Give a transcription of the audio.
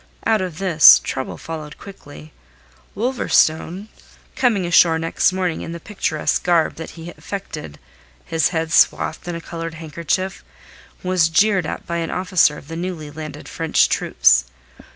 Out of this, trouble followed quickly. Wolverstone coming ashore next morning in the picturesque garb that he affected, his head swathed in a coloured handkerchief, was jeered at by an officer of the newly landed French troops.